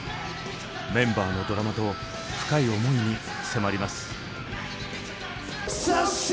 メンバーのドラマと深い思いに迫ります。